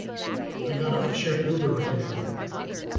I got off a shared Uber right now.